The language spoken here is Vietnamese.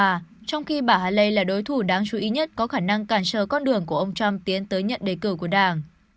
trong khi bà hàle là đối thủ đáng chú ý nhất có khả năng cản trở con đường của ông trump tiến tới nhận đề cử của đảng